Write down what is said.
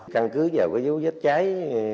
căn cứ giờ với dấu vết trái